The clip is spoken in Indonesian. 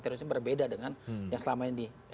terorisme berbeda dengan yang selama ini